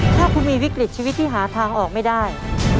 ถ้าคุณมีวิกฤตชีวิตที่หาทางออกไม่ได้